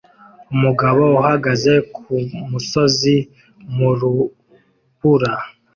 Umugabo uhagaze kumusozi mu rubura